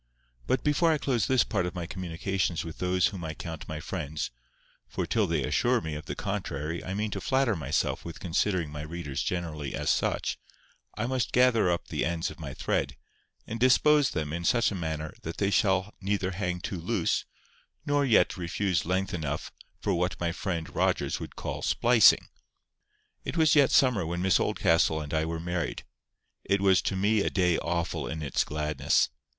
But before I close this part of my communications with those whom I count my friends, for till they assure me of the contrary I mean to flatter myself with considering my readers generally as such, I must gather up the ends of my thread, and dispose them in such a manner that they shall neither hang too loose, nor yet refuse length enough for what my friend Rogers would call splicing. It was yet summer when Miss Oldcastle and I were married. It was to me a day awful in its gladness.